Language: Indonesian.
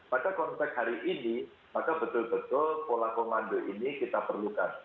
pada konteks hari ini maka betul betul pola komando ini kita perlukan